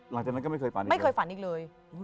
หลังจากนั้นก็ไม่เคยฝันอีกเลย